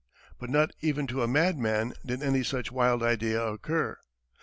But not even to a madman did any such wild idea occur.